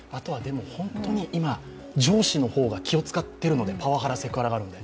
本当に今、上司の方が気を使っているので、パワハラ、セクハラがあるので。